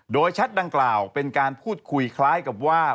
โดยแชทดังกล่าวเป็นการพูดคุยคล้ายกับว่า